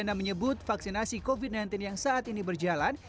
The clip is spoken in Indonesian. nana menyebut vaksinasi covid sembilan belas yang saat ini berjalan